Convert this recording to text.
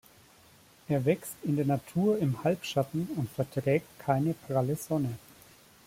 Er wächst in der Natur im Halbschatten und verträgt keine pralle Sonne.